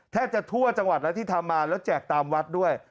แทบจะทั่วจังหวัดแล้วที่ทำมาแล้วแจกตามวัดด้วย